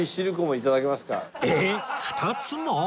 えっ２つも？